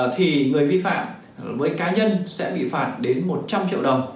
thì người vi phạm với cá nhân sẽ bị phạt đến một trăm linh triệu đồng